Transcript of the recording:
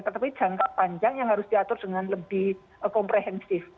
tetapi jangka panjang yang harus diatur dengan lebih komprehensif